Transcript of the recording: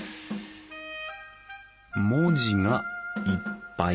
文字がいっぱい。